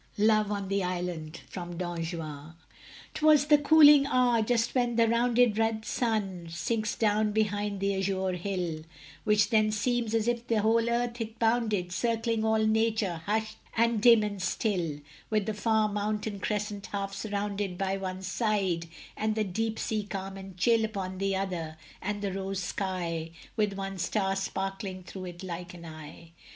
LOVE ON THE ISLAND From 'Don Juan' It was the cooling hour, just when the rounded Red sun sinks down behind the azure hill, Which then seems as if the whole earth it bounded, Circling all nature, hushed, and dim, and still, With the far mountain crescent half surrounded On one side, and the deep sea calm and chill Upon the other, and the rosy sky, With one star sparkling through it like an eye.